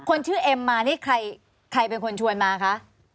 คนชื่อเอ็มมานี่ใครเป็นคนชวนมาคะ